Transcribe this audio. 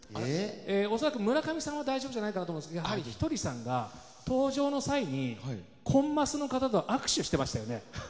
恐らく村上さんは大丈夫じゃないかなと思うんですがやはり、ひとりさんが登場の際にコンマスの方と握手していましたよね。